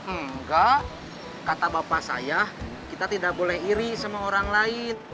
enggak kata bapak saya kita tidak boleh iri sama orang lain